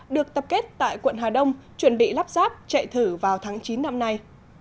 được tập kết tại quận hà đông chuẩn bị lắp ráp chạy thử vào tháng chín năm nay